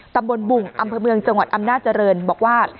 ตำบลบุงอำเภอเมืองจังหวัดอำนาจริงบอกว่า